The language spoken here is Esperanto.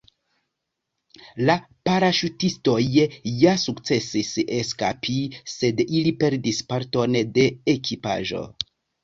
La paraŝutistoj ja sukcesis eskapi, sed ili perdis parton de ekipaĵo.